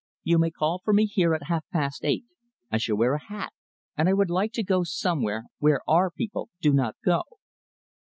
"You may call for me here at half past eight. I shall wear a hat and I would like to go somewhere where our people do not go."